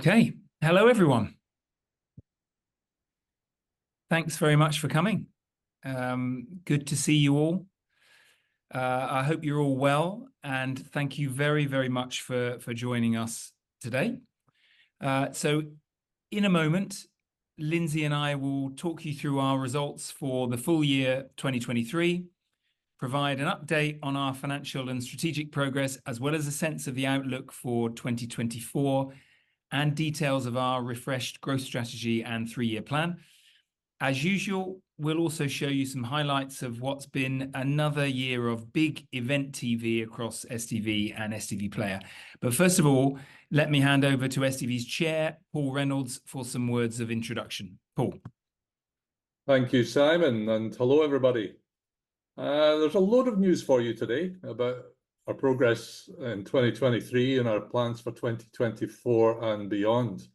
Okay. Hello, everyone! Thanks very much for coming. Good to see you all. I hope you're all well, and thank you very, very much for, for joining us today. So in a moment, Lindsay and I will talk you through our results for the full year 2023, provide an update on our financial and strategic progress, as well as a sense of the outlook for 2024, and details of our refreshed growth strategy and three-year plan. As usual, we'll also show you some highlights of what's been another year of big event TV across STV and STV Player. But first of all, let me hand over to STV's Chair, Paul Reynolds, for some words of introduction. Paul. Thank you, Simon, and hello, everybody. There's a lot of news for you today about our progress in 2023 and our plans for 2024 and beyond,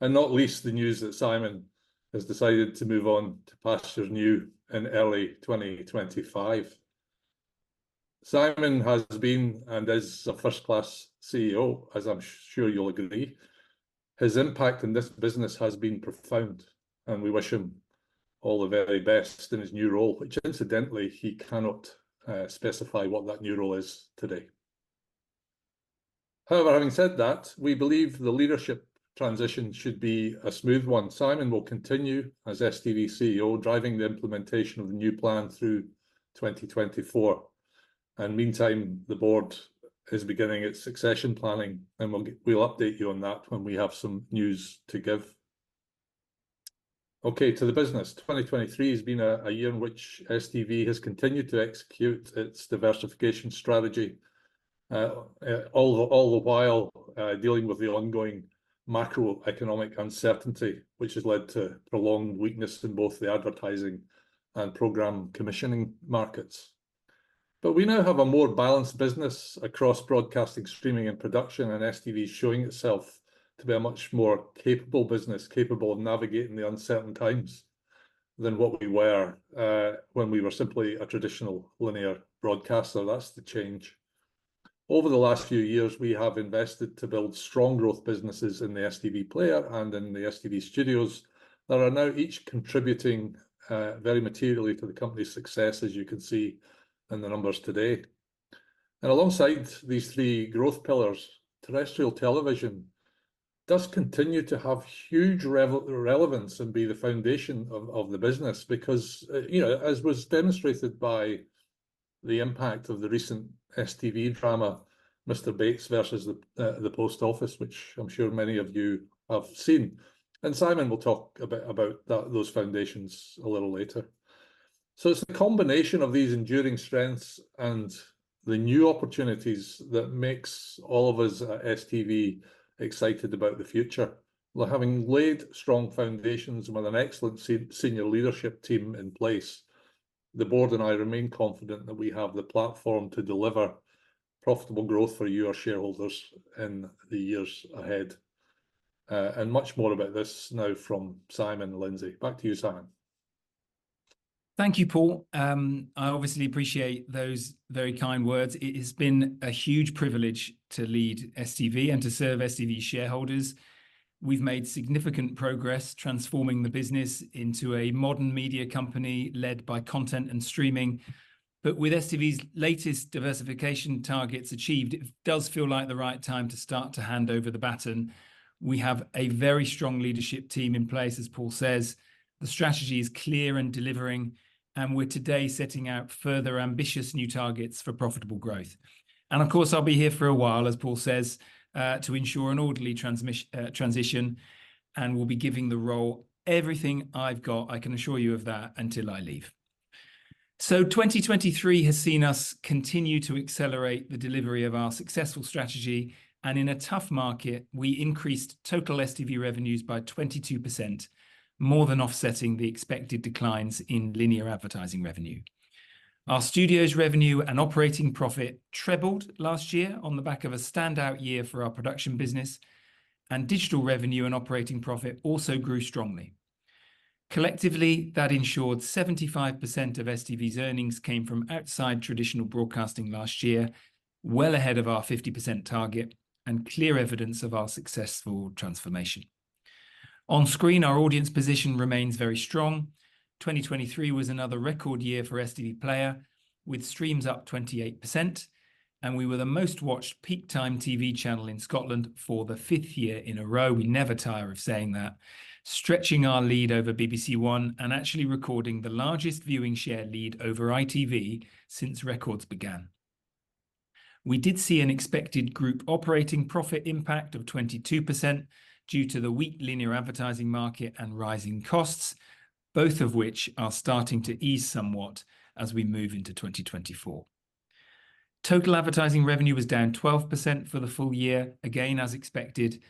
and not least the news that Simon has decided to move on to pastures new in early 2025. Simon has been, and is, a first-class CEO, as I'm sure you'll agree. His impact in this business has been profound, and we wish him all the very best in his new role, which incidentally, he cannot specify what that new role is today. However, having said that, we believe the leadership transition should be a smooth one. Simon will continue as STV CEO, driving the implementation of the new plan through 2024, and meantime, the board is beginning its succession planning, and we'll update you on that when we have some news to give. Okay, to the business. 2023 has been a year in which STV has continued to execute its diversification strategy, all the while dealing with the ongoing macroeconomic uncertainty, which has led to prolonged weakness in both the advertising and program commissioning markets. But we now have a more balanced business across broadcasting, streaming, and production, and STV's showing itself to be a much more capable business, capable of navigating the uncertain times than what we were, when we were simply a traditional linear broadcaster. That's the change. Over the last few years, we have invested to build strong growth businesses in the STV Player and in the STV Studios that are now each contributing very materially to the company's success, as you can see in the numbers today. And alongside these three growth pillars, terrestrial television does continue to have huge relevance and be the foundation of the business because, you know, as was demonstrated by the impact of the recent STV drama, Mr Bates vs The Post Office, which I'm sure many of you have seen, and Simon will talk a bit about that, those foundations a little later. So it's a combination of these enduring strengths and the new opportunities that makes all of us at STV excited about the future. Well, having laid strong foundations with an excellent senior leadership team in place, the board and I remain confident that we have the platform to deliver profitable growth for you, our shareholders, in the years ahead. And much more about this now from Simon and Lindsay. Back to you, Simon. Thank you, Paul. I obviously appreciate those very kind words. It has been a huge privilege to lead STV and to serve STV shareholders. We've made significant progress transforming the business into a modern media company led by content and streaming, but with STV's latest diversification targets achieved, it does feel like the right time to start to hand over the baton. We have a very strong leadership team in place, as Paul says. The strategy is clear and delivering, and we're today setting out further ambitious new targets for profitable growth. And of course, I'll be here for a while, as Paul says, to ensure an orderly transition, and will be giving the role everything I've got, I can assure you of that, until I leave. 2023 has seen us continue to accelerate the delivery of our successful strategy, and in a tough market, we increased total STV revenues by 22%, more than offsetting the expected declines in linear advertising revenue. Our Studios revenue and operating profit trebled last year on the back of a standout year for our production business, and digital revenue and operating profit also grew strongly. Collectively, that ensured 75% of STV's earnings came from outside traditional broadcasting last year, well ahead of our 50% target and clear evidence of our successful transformation. On screen, our audience position remains very strong. 2023 was another record year for STV Player, with streams up 28%, and we were the most-watched peak-time TV channel in Scotland for the fifth year in a row. We never tire of saying that, stretching our lead over BBC One and actually recording the largest viewing share lead over ITV since records began. We did see an expected group operating profit impact of 22% due to the weak linear advertising market and rising costs, both of which are starting to ease somewhat as we move into 2024. Total advertising revenue was down 12% for the full year, again, as expected,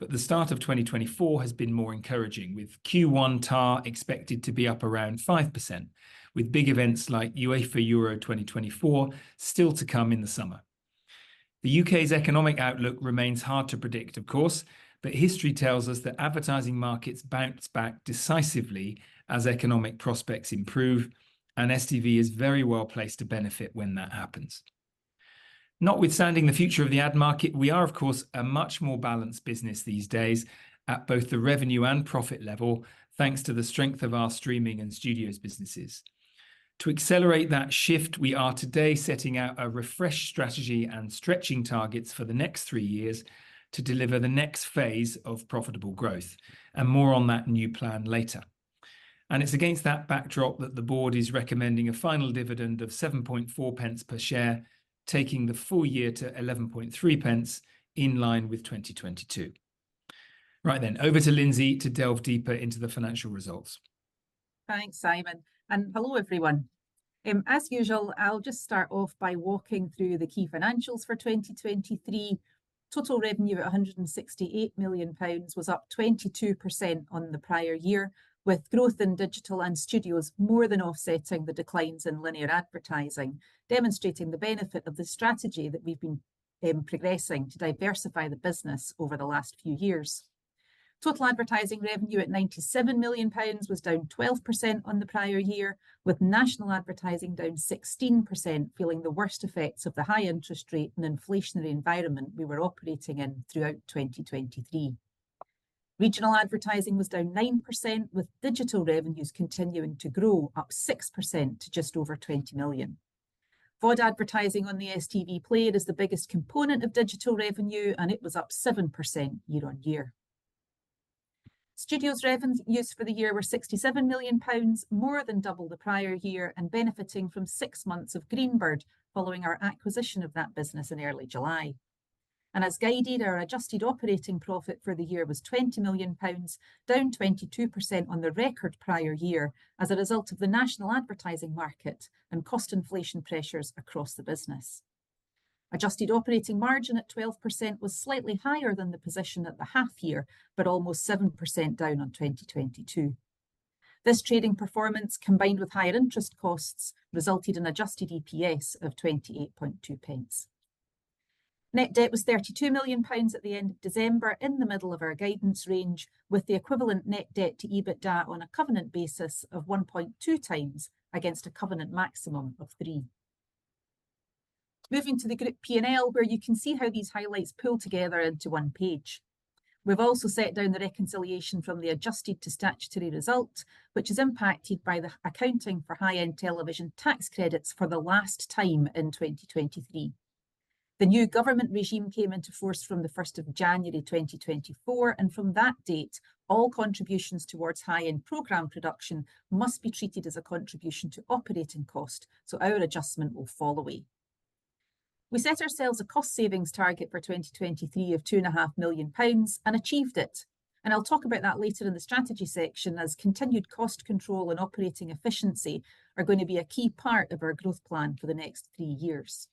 but the start of 2024 has been more encouraging, with Q1 TAR expected to be up around 5%, with big events like UEFA Euro 2024 still to come in the summer. The U.K.'s economic outlook remains hard to predict, of course, but history tells us that advertising markets bounce back decisively as economic prospects improve, and STV is very well-placed to benefit when that happens. Notwithstanding the future of the ad market, we are, of course, a much more balanced business these days at both the revenue and profit level, thanks to the strength of our Streaming and Studios businesses. To accelerate that shift, we are today setting out a refreshed strategy and stretching targets for the next three years to deliver the next phase of profitable growth, and more on that new plan later. It's against that backdrop that the board is recommending a final dividend of 0.074 per share, taking the full year to 0.113, in line with 2022. Right then, over to Lindsay to delve deeper into the financial results. Thanks, Simon, and hello, everyone. As usual, I'll just start off by walking through the key financials for 2023. Total revenue at 168 million pounds was up 22% on the prior year, with growth in Digital and Studios more than offsetting the declines in linear advertising, demonstrating the benefit of the strategy that we've been progressing to diversify the business over the last few years. Total advertising revenue at 97 million pounds was down 12% on the prior year, with national advertising down 16%, feeling the worst effects of the high interest rate and inflationary environment we were operating in throughout 2023. Regional advertising was down 9%, with Digital revenues continuing to grow, up 6% to just over 20 million. VOD advertising on the STV Player is the biggest component of Digital revenue, and it was up 7% year-on-year. Studios revenues for the year were 67 million pounds, more than double the prior year, and benefiting from six months of Greenbird following our acquisition of that business in early July. As guided, our adjusted operating profit for the year was 20 million pounds, down 22% on the record prior year, as a result of the national advertising market and cost inflation pressures across the business. Adjusted operating margin at 12% was slightly higher than the position at the half year, but almost 7% down on 2022. This trading performance, combined with higher interest costs, resulted in adjusted EPS of 0.282. Net debt was 32 million pounds at the end of December, in the middle of our guidance range, with the equivalent net debt to EBITDA on a covenant basis of 1.2 times against a covenant maximum of 3. Moving to the group P&L, where you can see how these highlights pull together into one page. We've also set down the reconciliation from the adjusted to statutory result, which is impacted by the accounting for high-end television tax credits for the last time in 2023. The new government regime came into force from the first of January 2024, and from that date, all contributions towards high-end program production must be treated as a contribution to operating cost, so our adjustment will fall away. We set ourselves a cost savings target for 2023 of 2.5 million pounds and achieved it, and I'll talk about that later in the strategy section as continued cost control and operating efficiency are going to be a key part of our growth plan for the next three years.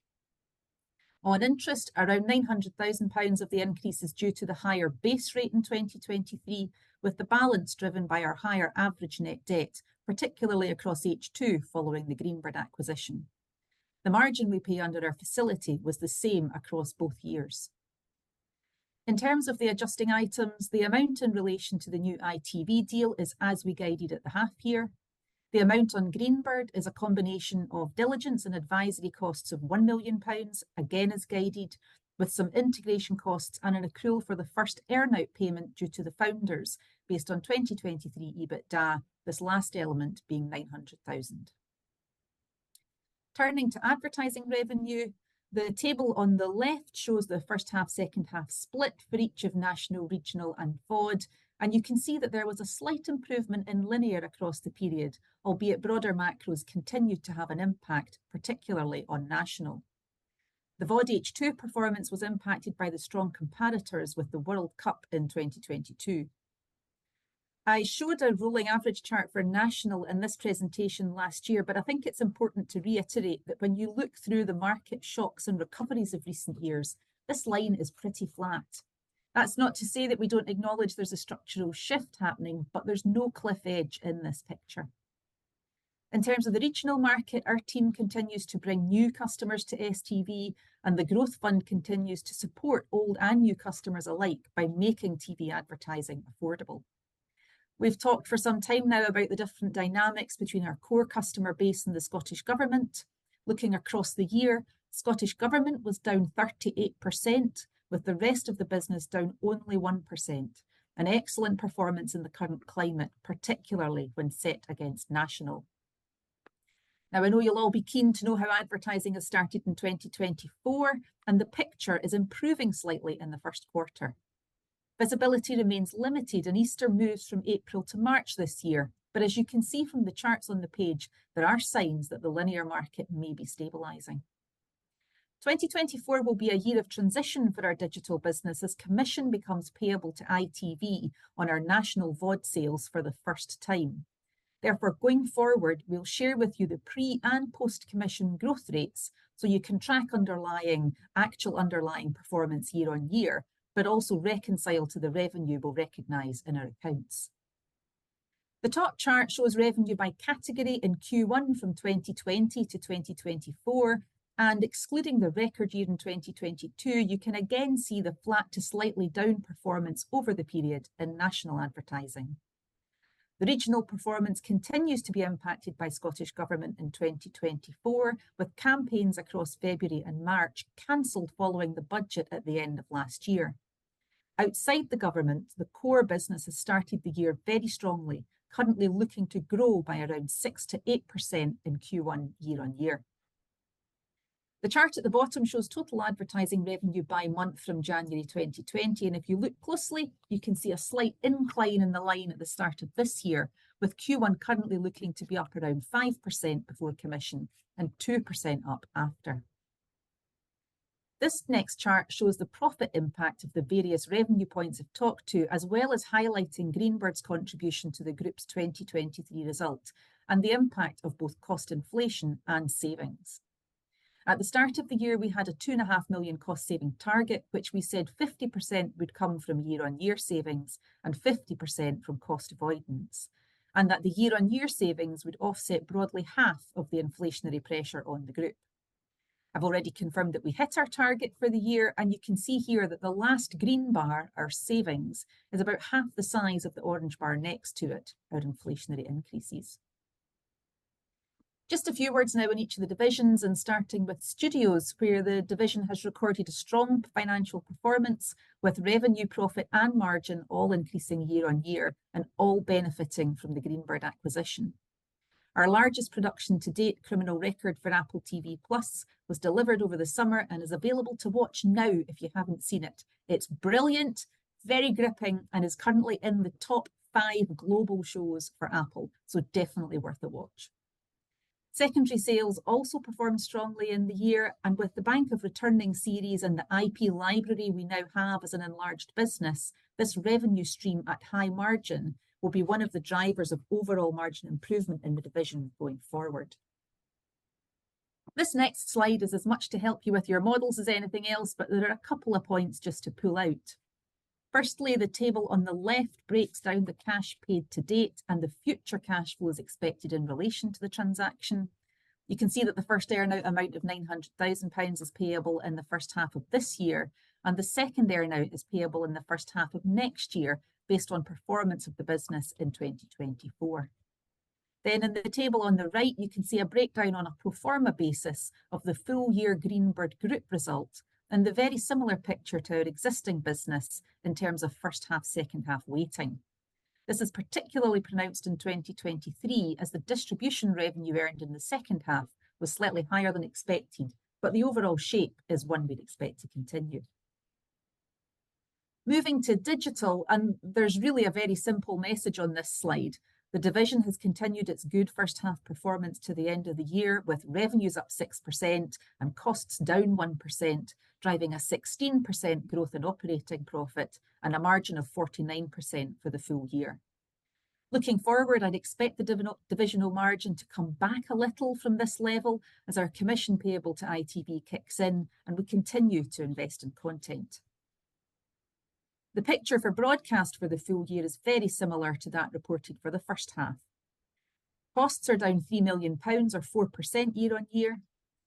On interest, around 900,000 pounds of the increase is due to the higher base rate in 2023, with the balance driven by our higher average net debt, particularly across H2, following the Greenbird acquisition. The margin we pay under our facility was the same across both years. In terms of the adjusting items, the amount in relation to the new ITV deal is as we guided at the half year. The amount on Greenbird is a combination of diligence and advisory costs of 1 million pounds, again, as guided, with some integration costs and an accrual for the first earn-out payment due to the founders, based on 2023 EBITDA, this last element being 900,000. Turning to advertising revenue, the table on the left shows the first half, second half split for each of national, regional, and VOD, and you can see that there was a slight improvement in linear across the period, albeit broader macros continued to have an impact, particularly on national. The VOD H2 performance was impacted by the strong comparators with the World Cup in 2022. I showed a rolling average chart for national in this presentation last year, but I think it's important to reiterate that when you look through the market shocks and recoveries of recent years, this line is pretty flat. That's not to say that we don't acknowledge there's a structural shift happening, but there's no cliff edge in this picture. In terms of the regional market, our team continues to bring new customers to STV, and the Growth Fund continues to support old and new customers alike by making TV advertising affordable. We've talked for some time now about the different dynamics between our core customer base and the Scottish Government. Looking across the year, Scottish Government was down 38%, with the rest of the business down only 1%, an excellent performance in the current climate, particularly when set against national. Now, I know you'll all be keen to know how advertising has started in 2024, and the picture is improving slightly in the first quarter. Visibility remains limited, and Easter moves from April to March this year. But as you can see from the charts on the page, there are signs that the linear market may be stabilizing. 2024 will be a year of transition for our Digital business, as commission becomes payable to ITV on our national VOD sales for the first time. Therefore, going forward, we'll share with you the pre and post-commission growth rates, so you can track underlying, actual underlying performance year-on-year, but also reconcile to the revenue we'll recognize in our accounts. The top chart shows revenue by category in Q1 from 2020 to 2024, and excluding the record year in 2022, you can again see the flat to slightly down performance over the period in national advertising. The regional performance continues to be impacted by Scottish Government in 2024, with campaigns across February and March canceled following the budget at the end of last year. Outside the government, the core business has started the year very strongly, currently looking to grow by around 6%-8% in Q1, year-on-year. The chart at the bottom shows total advertising revenue by month from January 2020, and if you look closely, you can see a slight incline in the line at the start of this year, with Q1 currently looking to be up around 5% before commission and 2% up after. This next chart shows the profit impact of the various revenue points I've talked to, as well as highlighting Greenbird's contribution to the group's 2023 result and the impact of both cost inflation and savings. At the start of the year, we had a 2.5 million cost-saving target, which we said 50% would come from year-on-year savings and 50% from cost avoidance, and that the year-on-year savings would offset broadly half of the inflationary pressure on the group. I've already confirmed that we hit our target for the year, and you can see here that the last green bar, our savings, is about half the size of the orange bar next to it, our inflationary increases. Just a few words now on each of the divisions, and starting with Studios, where the division has recorded a strong financial performance with revenue, profit, and margin all increasing year-on-year and all benefiting from the Greenbird acquisition. Our largest production to date, Criminal Record for Apple TV+, was delivered over the summer and is available to watch now if you haven't seen it. It's brilliant, very gripping, and is currently in the top five global shows for Apple, so definitely worth a watch. Secondary sales also performed strongly in the year, and with the bank of returning series and the IP library we now have as an enlarged business, this revenue stream at high margin will be one of the drivers of overall margin improvement in the division going forward. This next slide is as much to help you with your models as anything else, but there are a couple of points just to pull out. Firstly, the table on the left breaks down the cash paid to date and the future cash flows expected in relation to the transaction. You can see that the first earn-out amount of 900,000 pounds is payable in the first half of this year, and the second earn-out is payable in the first half of next year, based on performance of the business in 2024. Then in the table on the right, you can see a breakdown on a pro forma basis of the full year Greenbird Group result and the very similar picture to our existing business in terms of first half, second half weighting. This is particularly pronounced in 2023, as the distribution revenue earned in the second half was slightly higher than expected, but the overall shape is one we'd expect to continue. Moving to Digital, and there's really a very simple message on this slide. The division has continued its good first half performance to the end of the year, with revenues up 6% and costs down 1%, driving a 16% growth in operating profit and a margin of 49% for the full year. Looking forward, I'd expect the divisional margin to come back a little from this level as our commission payable to ITV kicks in and we continue to invest in content. The picture for Broadcast for the full year is very similar to that reported for the first half. Costs are down 3 million pounds, or 4% year-on-year.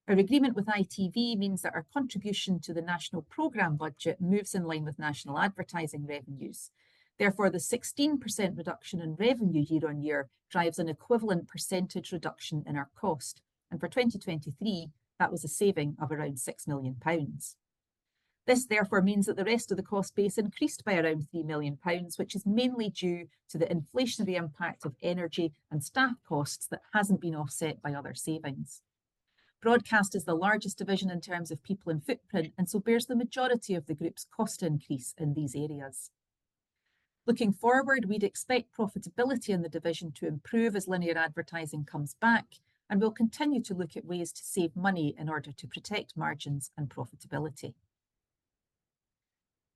Our agreement with ITV means that our contribution to the national program budget moves in line with national advertising revenues. Therefore, the 16% reduction in revenue year-on-year drives an equivalent percentage reduction in our cost, and for 2023, that was a saving of around 6 million pounds. This, therefore, means that the rest of the cost base increased by around 3 million pounds, which is mainly due to the inflationary impact of energy and staff costs that hasn't been offset by other savings. Broadcast is the largest division in terms of people and footprint, and so bears the majority of the group's cost increase in these areas. Looking forward, we'd expect profitability in the division to improve as linear advertising comes back, and we'll continue to look at ways to save money in order to protect margins and profitability.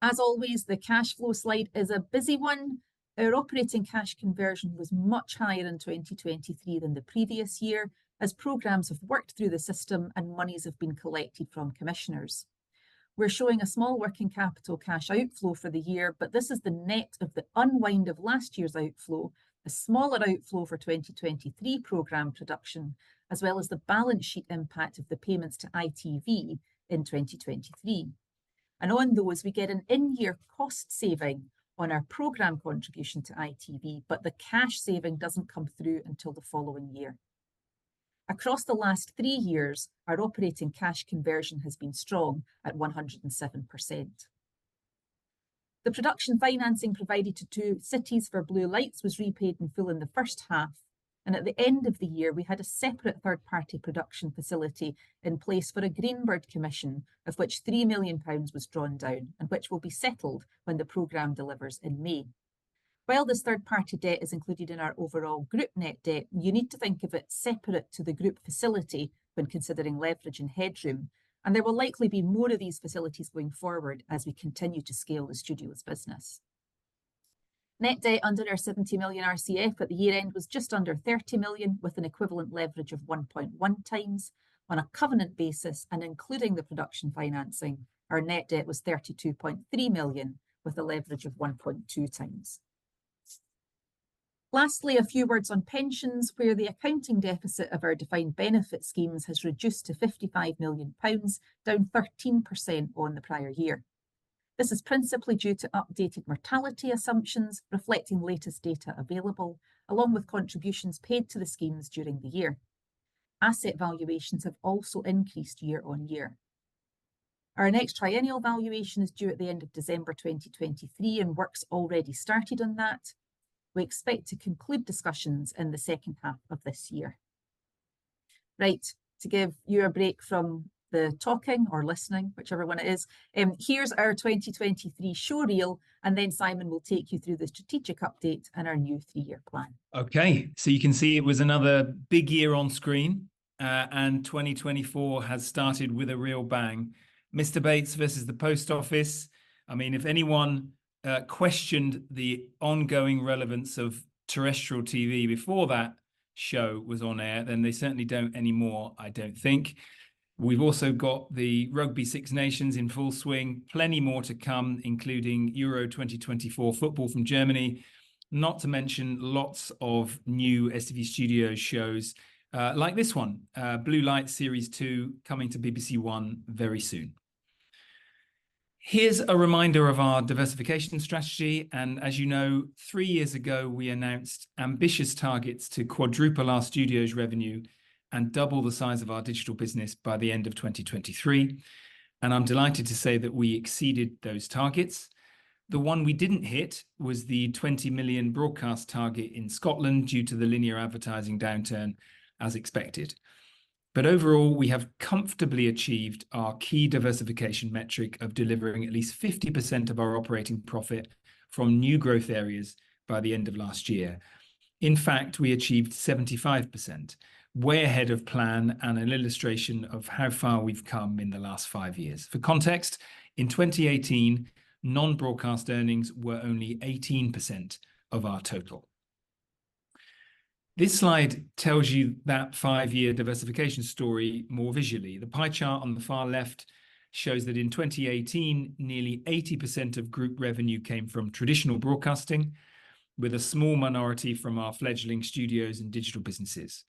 As always, the cash flow slide is a busy one. Our operating cash conversion was much higher in 2023 than the previous year, as programs have worked through the system and monies have been collected from commissioners. We're showing a small working capital cash outflow for the year, but this is the net of the unwind of last year's outflow, a smaller outflow for 2023 program production, as well as the balance sheet impact of the payments to ITV in 2023. And on those, we get an in-year cost saving on our program contribution to ITV, but the cash saving doesn't come through until the following year. Across the last three years, our operating cash conversion has been strong at 107%. The production financing provided to Two Cities for Blue Lights was repaid in full in the first half, and at the end of the year, we had a separate third-party production facility in place for a Greenbird commission, of which 3 million pounds was drawn down and which will be settled when the program delivers in May. While this third-party debt is included in our overall group net debt, you need to think of it separate to the group facility when considering leverage and headroom, and there will likely be more of these facilities going forward as we continue to scale the Studios business. Net debt under our 70 million RCF at the year-end was just under 30 million, with an equivalent leverage of 1.1x. On a covenant basis and including the production financing, our net debt was 32.3 million, with a leverage of 1.2 times. Lastly, a few words on pensions, where the accounting deficit of our defined benefit schemes has reduced to 55 million pounds, down 13% on the prior year. This is principally due to updated mortality assumptions reflecting latest data available, along with contributions paid to the schemes during the year. Asset valuations have also increased year-on-year. Our next triennial valuation is due at the end of December 2023, and work's already started on that. We expect to conclude discussions in the second half of this year. Right, to give you a break from the talking or listening, whichever one it is, here's our 2023 show reel, and then Simon will take you through the strategic update and our new three-year plan. Okay, so you can see it was another big year on screen, and 2024 has started with a real bang. Mr Bates vs The Post Office. I mean, if anyone questioned the ongoing relevance of terrestrial TV before that show was on air, then they certainly don't anymore, I don't think. We've also got the Rugby Six Nations in full swing. Plenty more to come, including Euro 2024 football from Germany, not to mention lots of new STV Studios shows, like this one, Blue Lights Series 2, coming to BBC One very soon. Here's a reminder of our diversification strategy, and as you know, three years ago, we announced ambitious targets to quadruple our Studios revenue and double the size of our Digital business by the end of 2023, and I'm delighted to say that we exceeded those targets. The one we didn't hit was the 20 million Broadcast target in Scotland, due to the linear advertising downturn, as expected. But overall, we have comfortably achieved our key diversification metric of delivering at least 50% of our operating profit from new growth areas by the end of last year. In fact, we achieved 75%, way ahead of plan and an illustration of how far we've come in the last five years. For context, in 2018, non-Broadcast earnings were only 18% of our total. This slide tells you that five-year diversification story more visually. The pie chart on the far left shows that in 2018, nearly 80% of group revenue came from traditional broadcasting, with a small minority from our fledgling Studios and Digital businesses.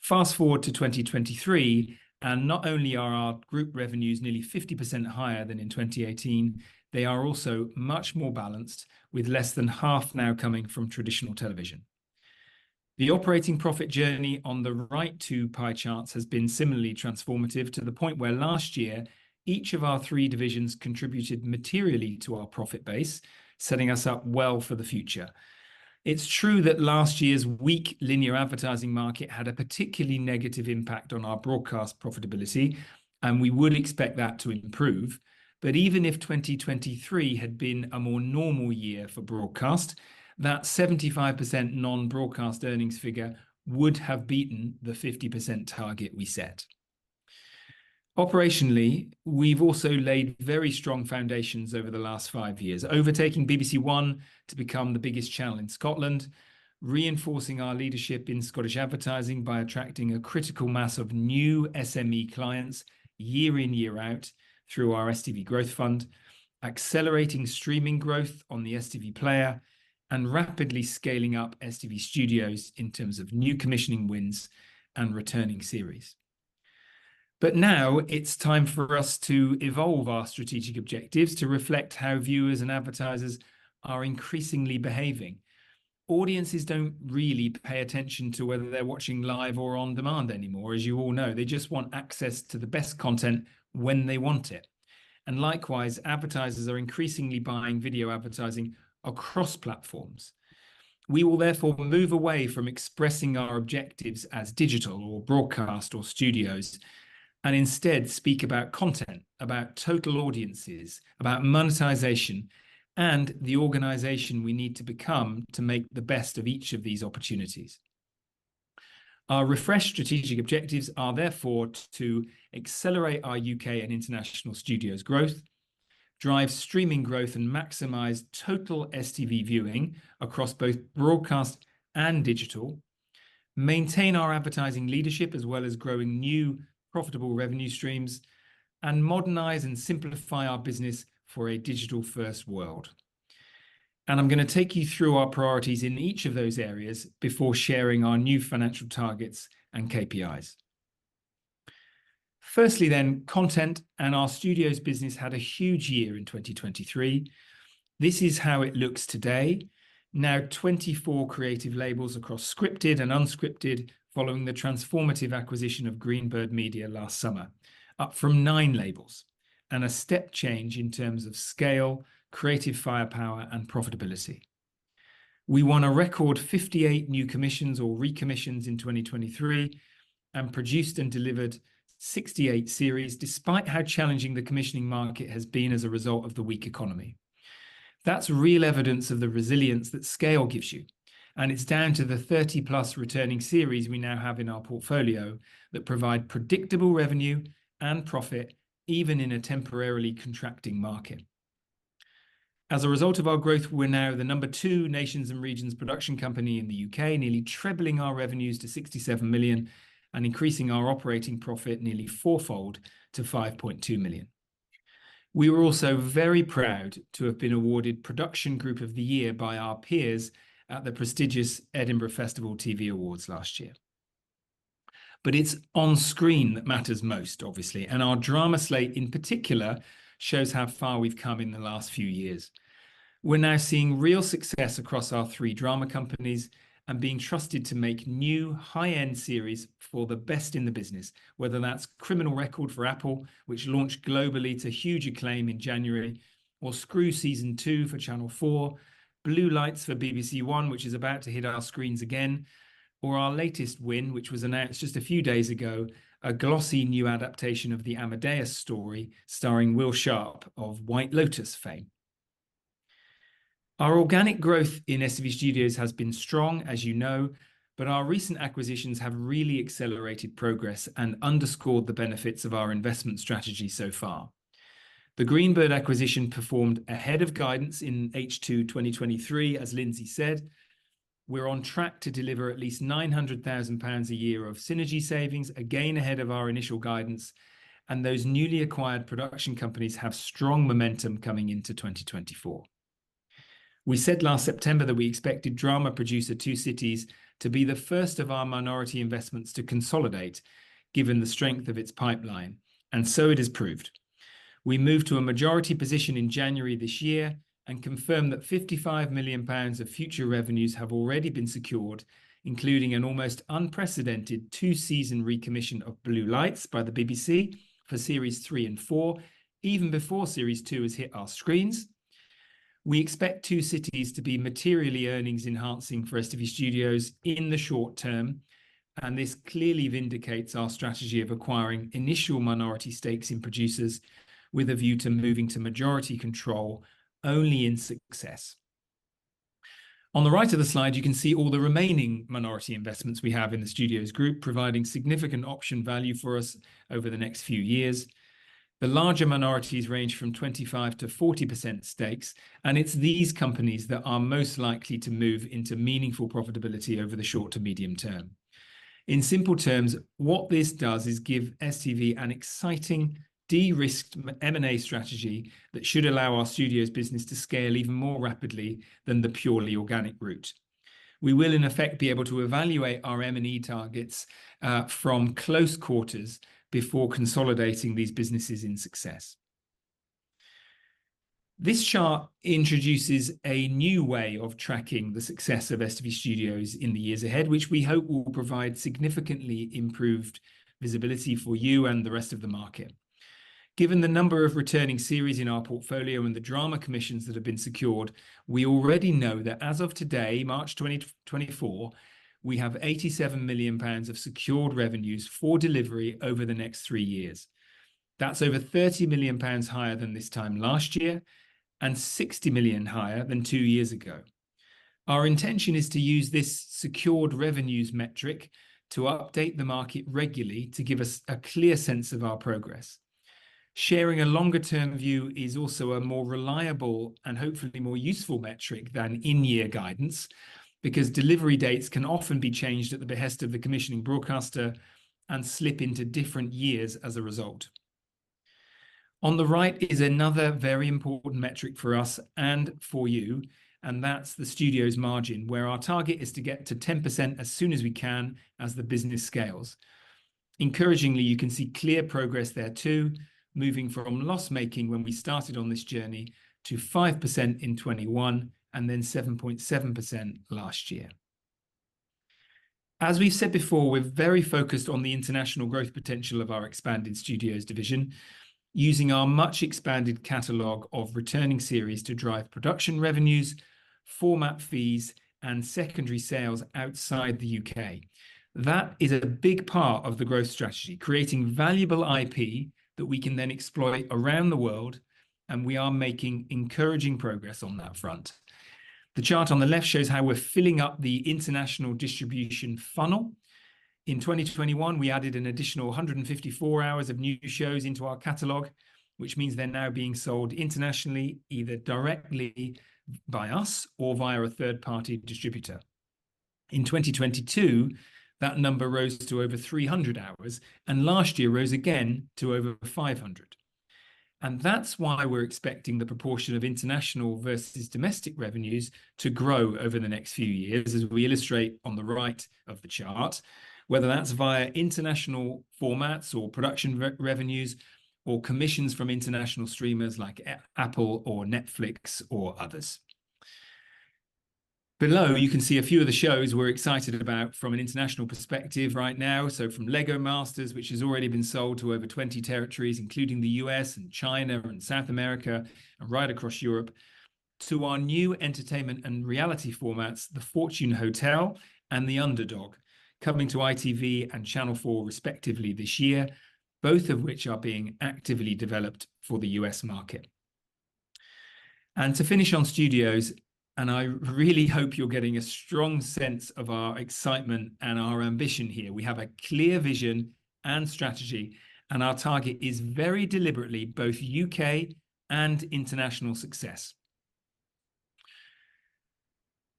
Fast-forward to 2023, and not only are our group revenues nearly 50% higher than in 2018, they are also much more balanced, with less than half now coming from traditional television. The operating profit journey on the right 2 pie charts has been similarly transformative, to the point where last year, each of our 3 divisions contributed materially to our profit base, setting us up well for the future. It's true that last year's weak linear advertising market had a particularly negative impact on our Broadcast profitability, and we would expect that to improve. But even if 2023 had been a more normal year for Broadcast, that 75% non-Broadcast earnings figure would have beaten the 50% target we set. Operationally, we've also laid very strong foundations over the last five years, overtaking BBC One to become the biggest channel in Scotland, reinforcing our leadership in Scottish advertising by attracting a critical mass of new SME clients year in, year out through our STV Growth Fund, accelerating streaming growth on the STV Player, and rapidly scaling up STV Studios in terms of new commissioning wins and returning series. But now it's time for us to evolve our strategic objectives to reflect how viewers and advertisers are increasingly behaving. Audiences don't really pay attention to whether they're watching live or on demand anymore, as you all know. They just want access to the best content when they want it, and likewise, advertisers are increasingly buying video advertising across platforms. We will therefore move away from expressing our objectives as Digital or Broadcast or Studios, and instead speak about content, about total audiences, about monetization and the organization we need to become to make the best of each of these opportunities. Our refreshed strategic objectives are therefore to accelerate our U.K. and international Studios growth, drive streaming growth, and maximize total STV viewing across both Broadcast and Digital, maintain our advertising leadership, as well as growing new profitable revenue streams, and modernize and simplify our business for a digital-first world. And I'm gonna take you through our priorities in each of those areas before sharing our new financial targets and KPIs. Firstly, then, content and our Studios business had a huge year in 2023. This is how it looks today. Now, 24 creative labels across scripted and unscripted, following the transformative acquisition of Greenbird Media last summer, up from 9 labels, and a step change in terms of scale, creative firepower, and profitability. We won a record 58 new commissions or recommissions in 2023 and produced and delivered 68 series, despite how challenging the commissioning market has been as a result of the weak economy. That's real evidence of the resilience that scale gives you, and it's down to the 30+ returning series we now have in our portfolio that provide predictable revenue and profit, even in a temporarily contracting market. As a result of our growth, we're now the number two nations and regions production company in the U.K., nearly trebling our revenues to 67 million and increasing our operating profit nearly fourfold to 5.2 million. We were also very proud to have been awarded Production Group of the Year by our peers at the prestigious Edinburgh Festival TV Awards last year. But it's on-screen that matters most, obviously, and our drama slate, in particular, shows how far we've come in the last few years. We're now seeing real success across our three drama companies and being trusted to make new high-end series for the best in the business, whether that's Criminal Record for Apple, which launched globally to huge acclaim in January, or Screw Season 2 for Channel 4, Blue Lights for BBC One, which is about to hit our screens again, or our latest win, which was announced just a few days ago, a glossy new adaptation of the Amadeus story, starring Will Sharpe of White Lotus fame. Our organic growth in STV Studios has been strong, as you know, but our recent acquisitions have really accelerated progress and underscored the benefits of our investment strategy so far. The Greenbird acquisition performed ahead of guidance in H2 2023, as Lindsay said. We're on track to deliver at least 900,000 pounds a year of synergy savings, again, ahead of our initial guidance, and those newly acquired production companies have strong momentum coming into 2024. We said last September that we expected drama producer Two Cities to be the first of our minority investments to consolidate, given the strength of its pipeline, and so it has proved. We moved to a majority position in January this year and confirmed that 55 million pounds of future revenues have already been secured, including an almost unprecedented two-season recommission of Blue Lights by the BBC for Series 3 and 4, even before Series 2 has hit our screens. We expect Two Cities to be materially earnings-enhancing for STV Studios in the short term, and this clearly vindicates our strategy of acquiring initial minority stakes in producers with a view to moving to majority control only in success. On the right of the slide, you can see all the remaining minority investments we have in the Studios group, providing significant option value for us over the next few years. The larger minorities range from 25%-40% stakes, and it's these companies that are most likely to move into meaningful profitability over the short to medium term. In simple terms, what this does is give STV an exciting, de-risked M&A strategy that should allow our Studios business to scale even more rapidly than the purely organic route. We will, in effect, be able to evaluate our M&A targets, from close quarters before consolidating these businesses in success. This chart introduces a new way of tracking the success of STV Studios in the years ahead, which we hope will provide significantly improved visibility for you and the rest of the market. Given the number of returning series in our portfolio and the drama commissions that have been secured, we already know that as of today, March 2024, we have 87 million pounds of secured revenues for delivery over the next three years. That's over 30 million pounds higher than this time last year and 60 million higher than two years ago. Our intention is to use this secured revenues metric to update the market regularly to give us a clear sense of our progress. Sharing a longer-term view is also a more reliable and hopefully more useful metric than in-year guidance, because delivery dates can often be changed at the behest of the commissioning broadcaster and slip into different years as a result. On the right is another very important metric for us and for you, and that's the Studios margin, where our target is to get to 10% as soon as we can, as the business scales. Encouragingly, you can see clear progress there, too, moving from loss-making when we started on this journey to 5% in 2021 and then 7.7% last year. As we've said before, we're very focused on the international growth potential of our expanded Studios division, using our much-expanded catalog of returning series to drive production revenues, format fees, and secondary sales outside the U.K.. That is a big part of the growth strategy, creating valuable IP that we can then exploit around the world, and we are making encouraging progress on that front. The chart on the left shows how we're filling up the international distribution funnel. In 2021, we added an additional 154 hours of new shows into our catalog, which means they're now being sold internationally, either directly by us or via a third-party distributor. In 2022, that number rose to over 300 hours, and last year rose again to over 500. And that's why we're expecting the proportion of international versus domestic revenues to grow over the next few years, as we illustrate on the right of the chart, whether that's via international formats or production revenues, or commissions from international streamers like Apple or Netflix or others. Below, you can see a few of the shows we're excited about from an international perspective right now. So from LEGO Masters, which has already been sold to over 20 territories, including the U.S. and China and South America and right across Europe, to our new entertainment and reality formats, The Fortune Hotel and The Underdog, coming to ITV and Channel 4, respectively, this year, both of which are being actively developed for the U.S. market. And to finish on Studios, and I really hope you're getting a strong sense of our excitement and our ambition here. We have a clear vision and strategy, and our target is very deliberately both U.K. and international success.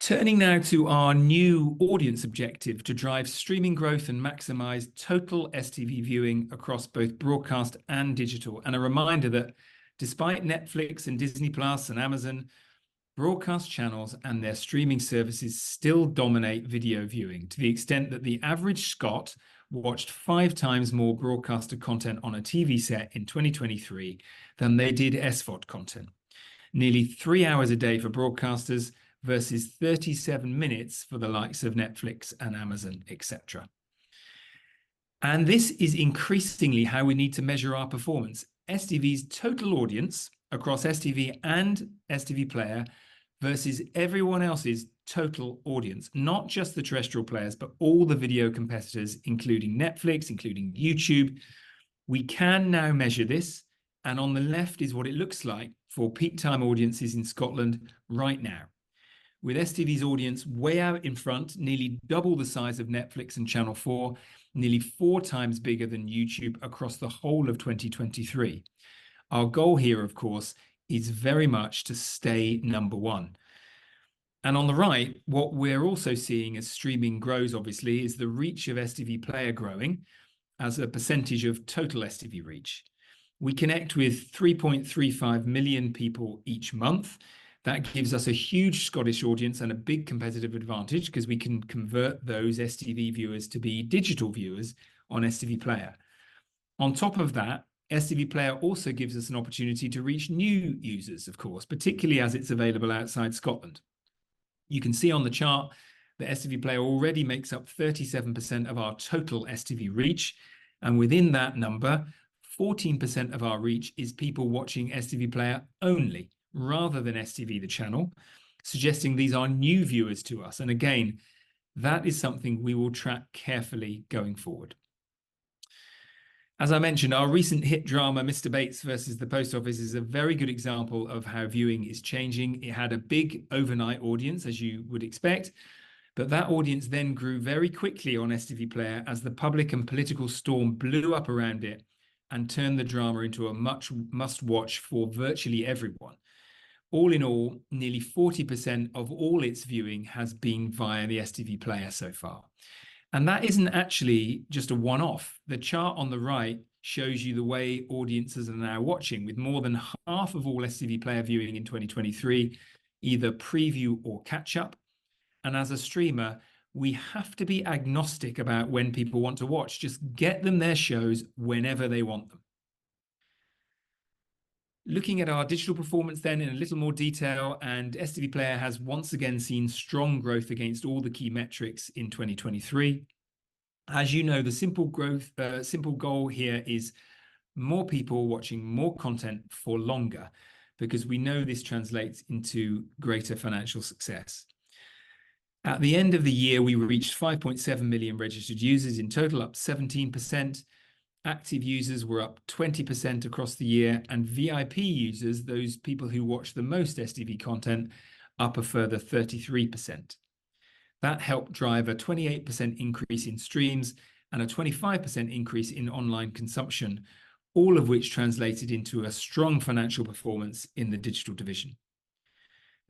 Turning now to our new audience objective, to drive streaming growth and maximize total STV viewing across both Broadcast and Digital. A reminder that despite Netflix and Disney+ and Amazon Broadcast channels and their streaming services still dominate video viewing, to the extent that the average Scot watched 5 times more broadcaster content on a TV set in 2023 than they did SVOD content. Nearly 3 hours a day for broadcasters, versus 37 minutes for the likes of Netflix and Amazon, et cetera. This is increasingly how we need to measure our performance. STV's total audience, across STV and STV Player, versus everyone else's total audience, not just the terrestrial players, but all the video competitors, including Netflix, including YouTube. We can now measure this, and on the left is what it looks like for peak time audiences in Scotland right now, with STV's audience way out in front, nearly double the size of Netflix and Channel 4, nearly four times bigger than YouTube across the whole of 2023. Our goal here, of course, is very much to stay number one. On the right, what we're also seeing as streaming grows, obviously, is the reach of STV Player growing as a percentage of total STV reach. We connect with 3.35 million people each month. That gives us a huge Scottish audience and a big competitive advantage, 'cause we can convert those STV viewers to be digital viewers on STV Player. On top of that, STV Player also gives us an opportunity to reach new users, of course, particularly as it's available outside Scotland. You can see on the chart that STV Player already makes up 37% of our total STV reach, and within that number, 14% of our reach is people watching STV Player only, rather than STV the channel, suggesting these are new viewers to us, and again, that is something we will track carefully going forward. As I mentioned, our recent hit drama, Mr Bates vs The Post Office, is a very good example of how viewing is changing. It had a big overnight audience, as you would expect, but that audience then grew very quickly on STV Player as the public and political storm blew up around it and turned the drama into a must-watch for virtually everyone. All in all, nearly 40% of all its viewing has been via the STV Player so far, and that isn't actually just a one-off. The chart on the right shows you the way audiences are now watching, with more than half of all STV Player viewing in 2023, either preview or catch up. As a streamer, we have to be agnostic about when people want to watch. Just get them their shows whenever they want them. Looking at our Digital performance then in a little more detail, STV Player has once again seen strong growth against all the key metrics in 2023. As you know, the simple growth, simple goal here is more people watching more content for longer, because we know this translates into greater financial success. At the end of the year, we reached 5.7 million registered users in total, up 17%. Active users were up 20% across the year, and VIP users, those people who watch the most STV content, up a further 33%. That helped drive a 28% increase in streams and a 25% increase in online consumption, all of which translated into a strong financial performance in the Digital division.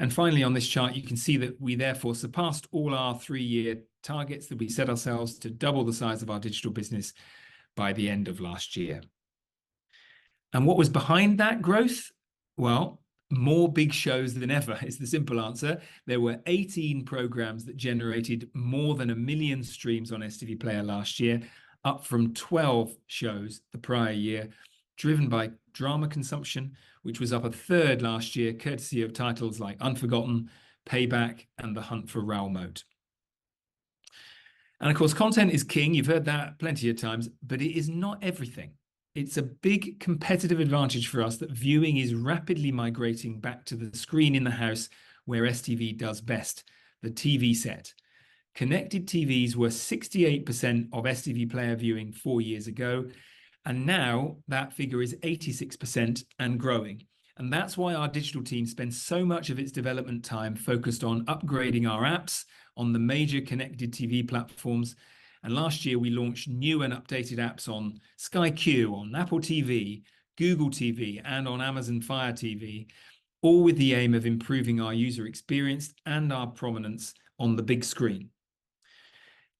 Finally, on this chart, you can see that we therefore surpassed all our 3-year targets, that we set ourselves to double the size of our Digital business by the end of last year. What was behind that growth? Well, more big shows than ever is the simple answer. There were 18 programs that generated more than 1 million streams on STV Player last year, up from 12 shows the prior year, driven by drama consumption, which was up a third last year, courtesy of titles like Unforgotten, Payback, and The Hunt for Raoul Moat. Of course, content is king. You've heard that plenty of times, but it is not everything. It's a big competitive advantage for us that viewing is rapidly migrating back to the screen in the house where STV does best, the TV set. Connected TVs were 68% of STV Player viewing four years ago, and now that figure is 86% and growing, and that's why our Digital team spends so much of its development time focused on upgrading our apps on the major connected TV platforms. Last year, we launched new and updated apps on Sky Q, on Apple TV, Google TV, and on Amazon Fire TV, all with the aim of improving our user experience and our prominence on the big screen.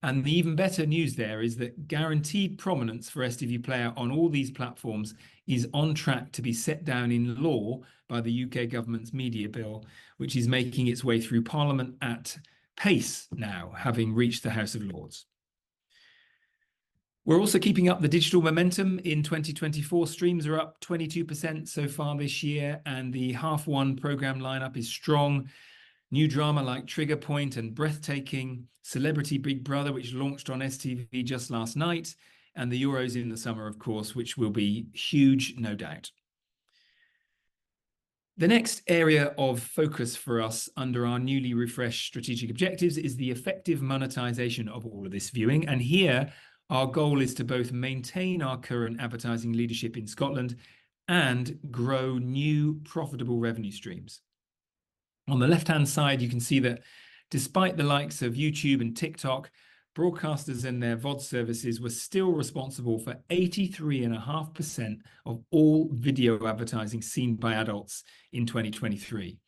The even better news there is that guaranteed prominence for STV Player on all these platforms is on track to be set down in law by the U.K. government's Media Bill, which is making its way through Parliament at pace now, having reached the House of Lords. We're also keeping up the digital momentum in 2024. Streams are up 22% so far this year, and the H1 program line-up is strong. New drama like Trigger Point and Breathtaking, Celebrity Big Brother, which launched on STV just last night, and the Euros in the summer, of course, which will be huge, no doubt. The next area of focus for us under our newly refreshed strategic objectives is the effective monetization of all of this viewing, and here, our goal is to both maintain our current advertising leadership in Scotland and grow new profitable revenue streams. On the left-hand side, you can see that despite the likes of YouTube and TikTok, broadcasters and their VOD services were still responsible for 83.5% of all video advertising seen by adults in 2023.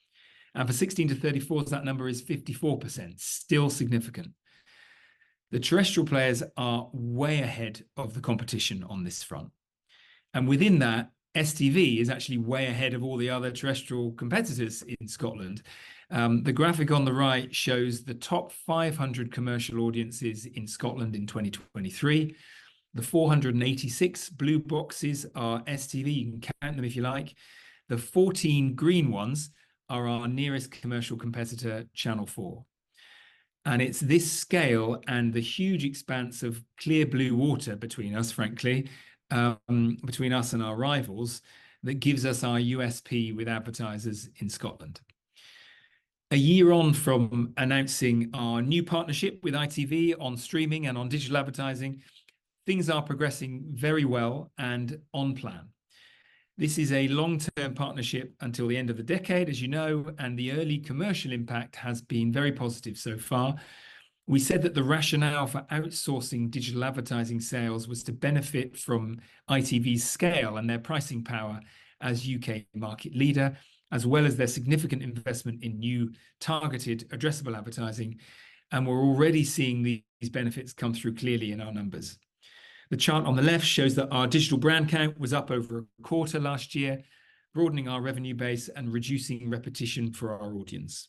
And for 16 to 34s, that number is 54%, still significant. The terrestrial players are way ahead of the competition on this front, and within that, STV is actually way ahead of all the other terrestrial competitors in Scotland. The graphic on the right shows the top 500 commercial audiences in Scotland in 2023. The 486 blue boxes are STV. You can count them if you like. The 14 green ones are our nearest commercial competitor, Channel 4. It's this scale and the huge expanse of clear blue water between us, frankly, between us and our rivals, that gives us our USP with advertisers in Scotland. A year on from announcing our new partnership with ITV on streaming and on digital advertising, things are progressing very well and on plan. This is a long-term partnership until the end of the decade, as you know, and the early commercial impact has been very positive so far. We said that the rationale for outsourcing digital advertising sales was to benefit from ITV's scale and their pricing power as U.K. market leader, as well as their significant investment in new, targeted, addressable advertising, and we're already seeing these benefits come through clearly in our numbers. The chart on the left shows that our digital brand count was up over a quarter last year, broadening our revenue base and reducing repetition for our audience.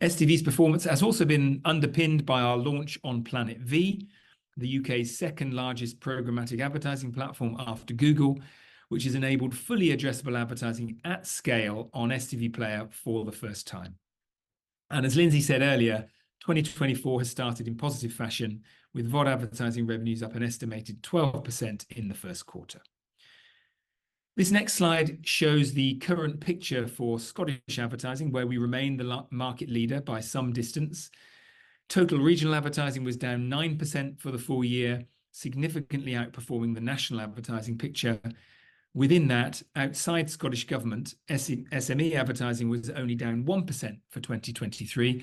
STV's performance has also been underpinned by our launch on Planet V, the U.K.'s second-largest programmatic advertising platform after Google, which has enabled fully addressable advertising at scale on STV Player for the first time. As Lindsay said earlier, 2024 has started in positive fashion, with VOD advertising revenues up an estimated 12% in the first quarter. This next slide shows the current picture for Scottish advertising, where we remain the market leader by some distance. Total regional advertising was down 9% for the full year, significantly outperforming the national advertising picture. Within that, outside Scottish Government, SME advertising was only down 1% for 2023,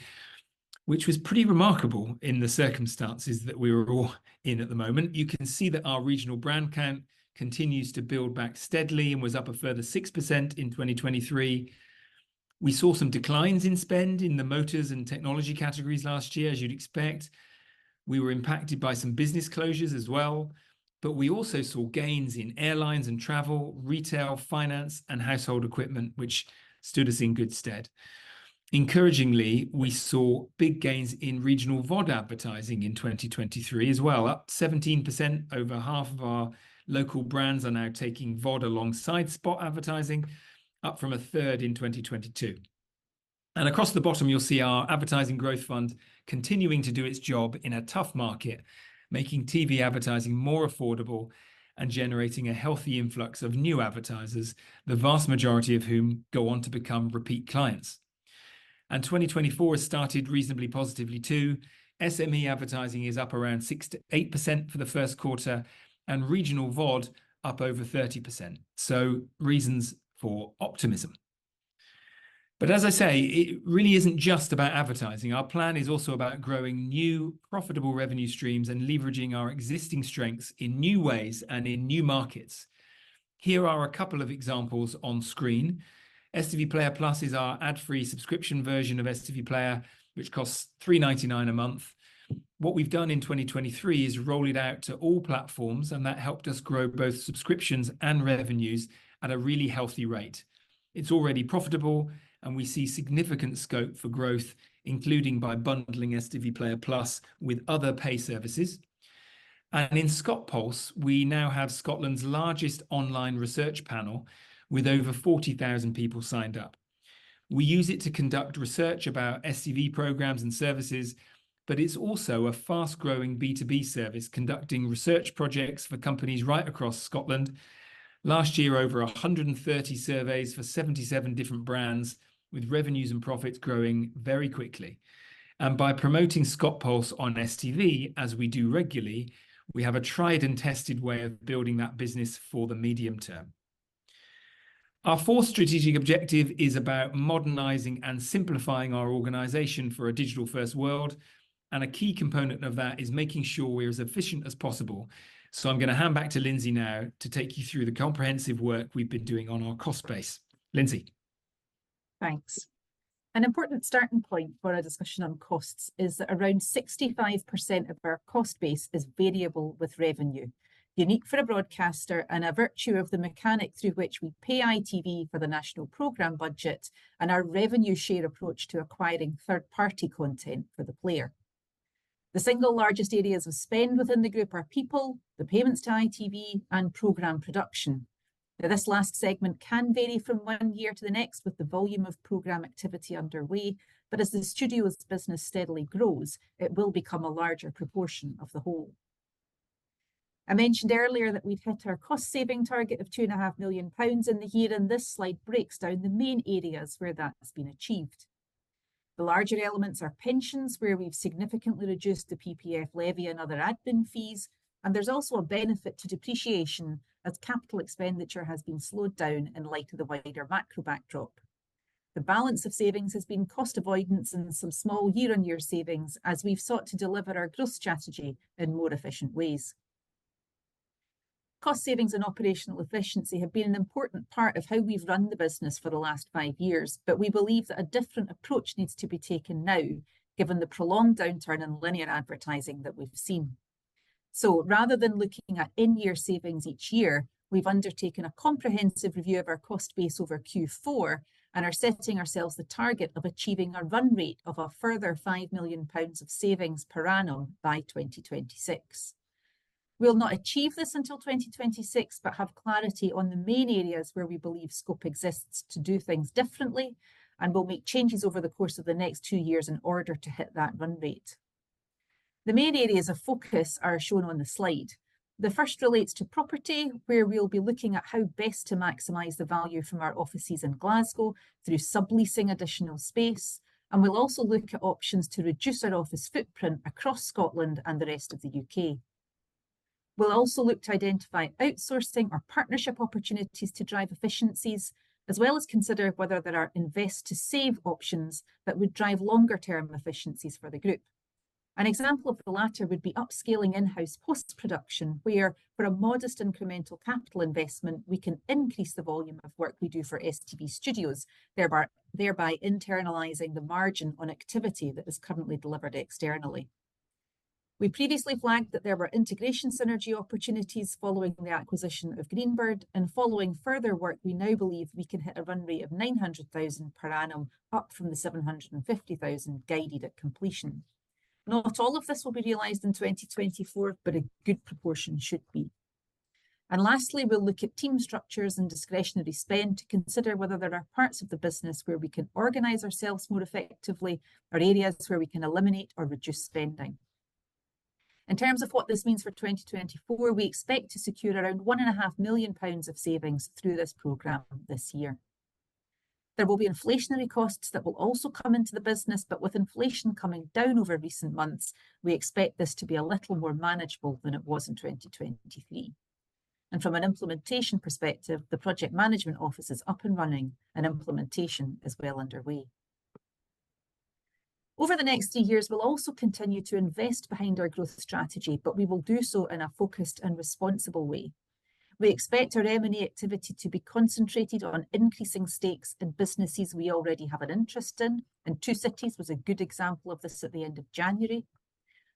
which was pretty remarkable in the circumstances that we're all in at the moment. You can see that our regional brand count continues to build back steadily and was up a further 6% in 2023. We saw some declines in spend in the motors and technology categories last year, as you'd expect. We were impacted by some business closures as well, but we also saw gains in airlines and travel, retail, finance, and household equipment, which stood us in good stead. Encouragingly, we saw big gains in regional VOD advertising in 2023 as well, up 17%. Over half of our local brands are now taking VOD alongside spot advertising, up from a third in 2022. Across the bottom, you'll see our advertising Growth Fund continuing to do its job in a tough market, making TV advertising more affordable and generating a healthy influx of new advertisers, the vast majority of whom go on to become repeat clients. 2024 has started reasonably positively, too. SME advertising is up around 6%-8% for the first quarter and regional VOD up over 30%, so reasons for optimism. But as I say, it really isn't just about advertising. Our plan is also about growing new, profitable revenue streams and leveraging our existing strengths in new ways and in new markets. Here are a couple of examples on screen. STV Player+ is our ad-free subscription version of STV Player, which costs £3.99 a month. What we've done in 2023 is roll it out to all platforms, and that helped us grow both subscriptions and revenues at a really healthy rate. It's already profitable, and we see significant scope for growth, including by bundling STV Player+ with other pay services. And in ScotPulse, we now have Scotland's largest online research panel, with over 40,000 people signed up. We use it to conduct research about STV programs and services, but it's also a fast-growing B2B service, conducting research projects for companies right across Scotland. Last year, over 130 surveys for 77 different brands, with revenues and profits growing very quickly. And by promoting ScotPulse on STV, as we do regularly, we have a tried and tested way of building that business for the medium term. Our fourth strategic objective is about modernizing and simplifying our organization for a digital-first world, and a key component of that is making sure we're as efficient as possible. So I'm gonna hand back to Lindsay now to take you through the comprehensive work we've been doing on our cost base. Lindsay? Thanks. An important starting point for our discussion on costs is that around 65% of our cost base is variable with revenue, unique for a broadcaster and a virtue of the mechanic through which we pay ITV for the national program budget and our revenue share approach to acquiring third-party content for the player. The single largest areas of spend within the group are people, the payments to ITV, and program production. Now, this last segment can vary from one year to the next with the volume of program activity underway, but as the Studios business steadily grows, it will become a larger proportion of the whole. I mentioned earlier that we've hit our cost-saving target of 2.5 million pounds in the year, and this slide breaks down the main areas where that has been achieved. The larger elements are pensions, where we've significantly reduced the PPF levy and other admin fees, and there's also a benefit to depreciation as capital expenditure has been slowed down in light of the wider macro backdrop. The balance of savings has been cost avoidance and some small year-on-year savings as we've sought to deliver our growth strategy in more efficient ways.... Cost savings and operational efficiency have been an important part of how we've run the business for the last five years, but we believe that a different approach needs to be taken now, given the prolonged downturn in linear advertising that we've seen. So rather than looking at in-year savings each year, we've undertaken a comprehensive review of our cost base over Q4, and are setting ourselves the target of achieving a run rate of a further 5 million pounds of savings per annum by 2026. We'll not achieve this until 2026, but have clarity on the main areas where we believe scope exists to do things differently, and we'll make changes over the course of the next two years in order to hit that run rate. The main areas of focus are shown on the slide. The first relates to property, where we'll be looking at how best to maximize the value from our offices in Glasgow through subleasing additional space, and we'll also look at options to reduce our office footprint across Scotland and the rest of the U.K. We'll also look to identify outsourcing or partnership opportunities to drive efficiencies, as well as consider whether there are invest-to-save options that would drive longer term efficiencies for the group. An example of the latter would be upscaling in-house post-production, where for a modest incremental capital investment, we can increase the volume of work we do for STV Studios, thereby internalizing the margin on activity that is currently delivered externally. We previously flagged that there were integration synergy opportunities following the acquisition of Greenbird, and following further work, we now believe we can hit a run rate of 900,000 per annum, up from the 750,000 guided at completion. Not all of this will be realized in 2024, but a good proportion should be. Lastly, we'll look at team structures and discretionary spend to consider whether there are parts of the business where we can organize ourselves more effectively, or areas where we can eliminate or reduce spending. In terms of what this means for 2024, we expect to secure around 1.5 million pounds of savings through this program this year. There will be inflationary costs that will also come into the business, but with inflation coming down over recent months, we expect this to be a little more manageable than it was in 2023. From an implementation perspective, the project management office is up and running, and implementation is well underway. Over the next two years, we'll also continue to invest behind our growth strategy, but we will do so in a focused and responsible way. We expect our M&A activity to be concentrated on increasing stakes in businesses we already have an interest in, and Two Cities was a good example of this at the end of January.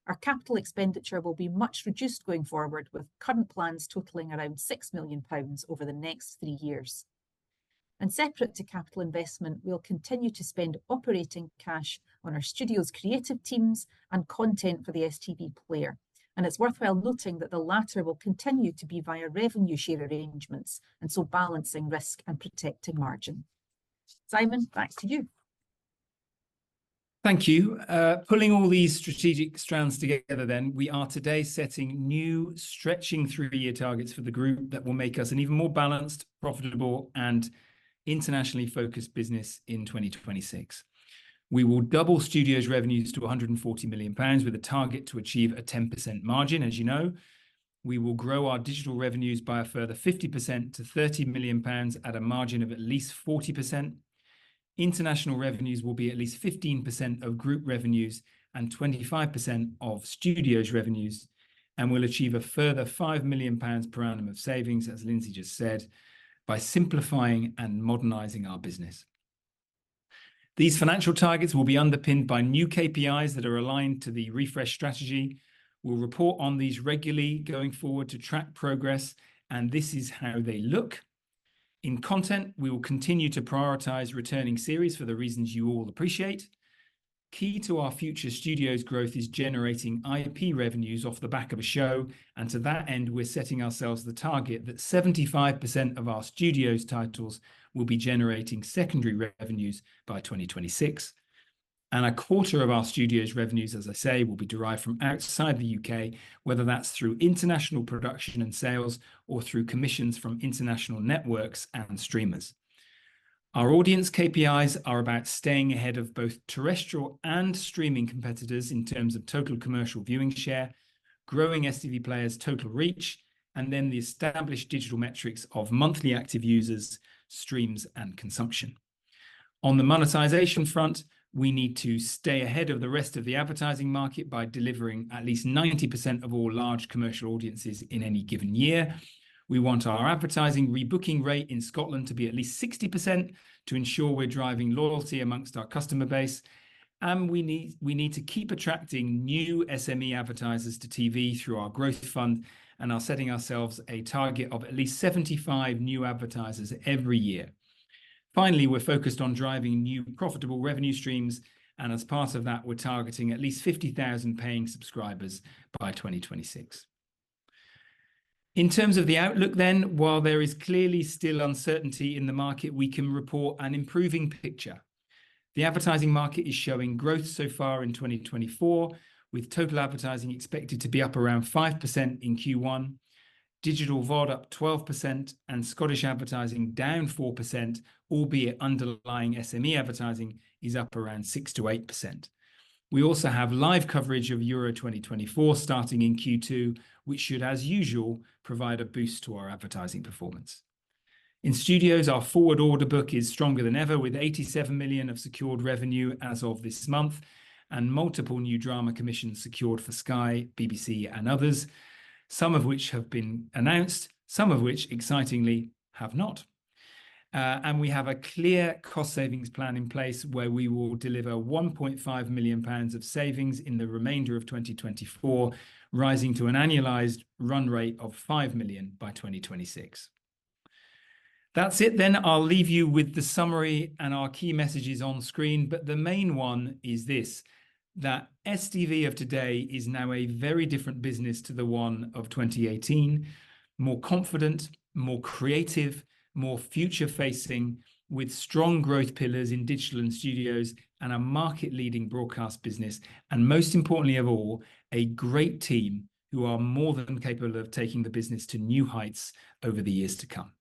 Our capital expenditure will be much reduced going forward, with current plans totaling around 6 million pounds over the next three years. Separate to capital investment, we'll continue to spend operating cash on our Studios creative teams and content for the STV Player, and it's worthwhile noting that the latter will continue to be via revenue share arrangements, and so balancing risk and protecting margin. Simon, back to you. Thank you. Pulling all these strategic strands together then, we are today setting new, stretching three-year targets for the group that will make us an even more balanced, profitable, and internationally focused business in 2026. We will double Studios revenues to 140 million pounds, with a target to achieve a 10% margin, as you know. We will grow our Digital revenues by a further 50% to 30 million pounds, at a margin of at least 40%. International revenues will be at least 15% of group revenues and 25% of Studios revenues, and we'll achieve a further 5 million pounds per annum of savings, as Lindsay just said, by simplifying and modernizing our business. These financial targets will be underpinned by new KPIs that are aligned to the refresh strategy. We'll report on these regularly going forward to track progress, and this is how they look. In content, we will continue to prioritize returning series for the reasons you all appreciate. Key to our future Studios growth is generating IP revenues off the back of a show, and to that end, we're setting ourselves the target that 75% of our Studios titles will be generating secondary revenues by 2026. A quarter of our Studios revenues, as I say, will be derived from outside the U.K., whether that's through international production and sales, or through commissions from international networks and streamers. Our audience KPIs are about staying ahead of both terrestrial and streaming competitors in terms of total commercial viewing share, growing STV Player's total reach, and then the established digital metrics of monthly active users, streams, and consumption. On the monetization front, we need to stay ahead of the rest of the advertising market by delivering at least 90% of all large commercial audiences in any given year. We want our advertising rebooking rate in Scotland to be at least 60%, to ensure we're driving loyalty amongst our customer base. And we need to keep attracting new SME advertisers to TV through our Growth Fund, and are setting ourselves a target of at least 75 new advertisers every year. Finally, we're focused on driving new profitable revenue streams, and as part of that, we're targeting at least 50,000 paying subscribers by 2026. In terms of the outlook then, while there is clearly still uncertainty in the market, we can report an improving picture. The advertising market is showing growth so far in 2024, with total advertising expected to be up around 5% in Q1, digital VOD up 12%, and Scottish advertising down 4%, albeit underlying SME advertising is up around 6%-8%. We also have live coverage of Euro 2024 starting in Q2, which should, as usual, provide a boost to our advertising performance. In Studios, our forward order book is stronger than ever, with 87 million of secured revenue as of this month, and multiple new drama commissions secured for Sky, BBC, and others, some of which have been announced, some of which, excitingly, have not. and we have a clear cost savings plan in place, where we will deliver 1.5 million pounds of savings in the remainder of 2024, rising to an annualized run rate of 5 million by 2026. That's it then. I'll leave you with the summary and our key messages on screen, but the main one is this: that STV of today is now a very different business to the one of 2018. More confident, more creative, more future-facing, with strong growth pillars in Digital and Studios, and a market-leading Broadcast business. And most importantly of all, a great team, who are more than capable of taking the business to new heights over the years to come.